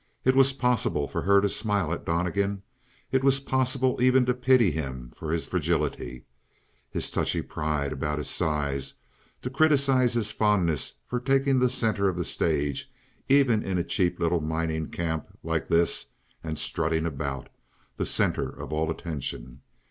It was possible for her to smile at Donnegan; it was possible even to pity him for his fragility, his touchy pride about his size; to criticize his fondness for taking the center of the stage even in a cheap little mining camp like this and strutting about, the center of all attention.